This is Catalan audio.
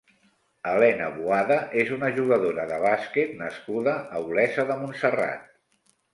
Helena Boada és una jugadora de basquet nascuda a Olesa de Montserrat.